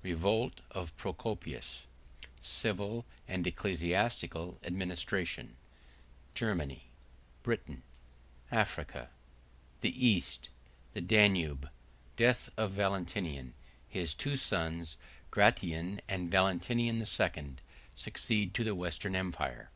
— Revolt Of Procopius.—Civil And Ecclesiastical Administration.—Germany. —Britain.—Africa.—The East.— The Danube.—Death Of Valentinian.—His Two Sons, Gratian And Valentinian II., Succeed To The Western Empire.